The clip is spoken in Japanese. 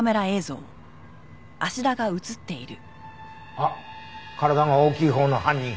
あっ体が大きいほうの犯人！